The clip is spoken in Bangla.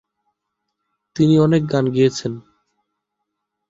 তিনি অনেক গান গেয়েছেন।